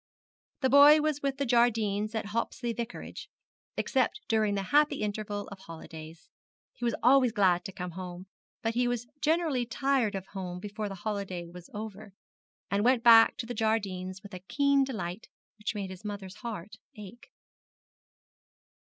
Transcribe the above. The boy was with the Jardines at Hopsley Vicarage, except during the happy interval of holidays. He was always glad to come home, but he was generally tired of home before the holiday was over, and went back to the Jardines with a keen delight which made his mother's heart ache.